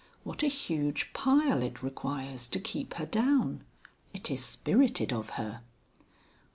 What a huge pile it requires to keep her down.... It is spirited of her."